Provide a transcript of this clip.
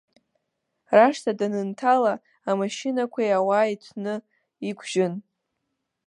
Рашҭа данынҭала, амашьынақәеи ауааи ҭәны иқәжьын.